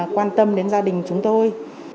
quan tâm đến gia đình chúng tôi